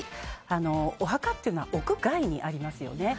お墓っていうのは屋外にありますよね。